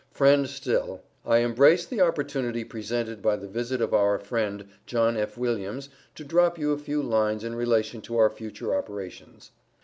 Friend Still: I embrace the opportunity presented by the visit of our friend, John F. Williams, to drop you a few lines in relation to our future operations.